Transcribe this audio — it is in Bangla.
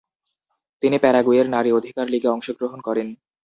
তিনি প্যারাগুয়ের নারী অধিকার লীগে অংশগ্রহণ করেন।